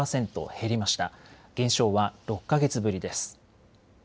減少は６か月ぶりです。